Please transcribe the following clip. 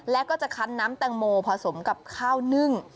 แล้วก็จะคันน้ำแตงโมผสมกับข้าวนึ่ง